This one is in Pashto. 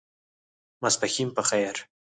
ماسپښېن په خیر !